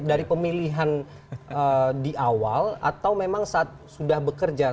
dari pemilihan di awal atau memang saat sudah bekerja